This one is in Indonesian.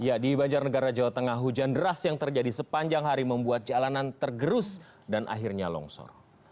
ya di banjarnegara jawa tengah hujan deras yang terjadi sepanjang hari membuat jalanan tergerus dan akhirnya longsor